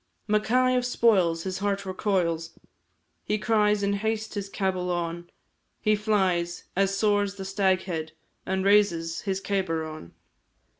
Mackay of Spoils, his heart recoils, He cries in haste his cabul on, He flies as soars the Staghead, And raises his cabar on.